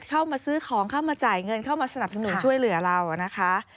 เข้ามาซื้อของเข้ามาจ่ายเงินเข้ามาสนับสนุนช่วยเหลือเรานะคะ